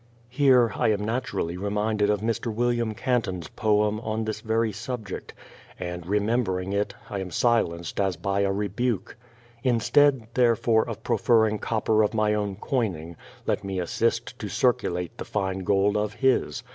Here I am naturally reminded of Mr. William Canton's poem on this very subject, and remembering it I am silenced as by a rebuke. Instead, therefore, of proffering copper of my own coining, let me assist to circulate the fine gold of his.